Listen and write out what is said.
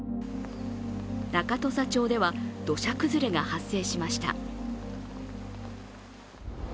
中土佐町では土砂崩れが発生しました。